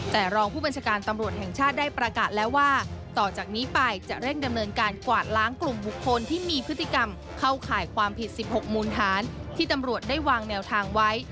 แต่รองผู้บัญชาการตำรวจแห่งชาติได้ประกาศแล้วว่าต่อจากนี้ไปจะเร่งดำเนินการกวาดล้างกลุ่มบุคคลที่มีพฤติกรรมเข้าข่ายความผิด๑๖มูลฐานที่ตำรวจได้วางแนวทางไว้